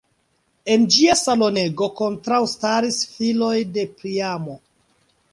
En ĝia salonego kontraŭstaris filoj de Priamo.